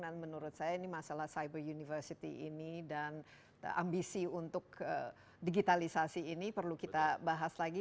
dan menurut saya ini masalah cyber university ini dan ambisi untuk digitalisasi ini perlu kita bahas lagi